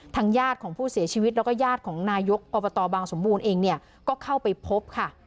ญาติของผู้เสียชีวิตแล้วก็ญาติของนายกอบตบางสมบูรณ์เองเนี่ยก็เข้าไปพบค่ะ